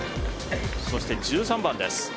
そして１３番です。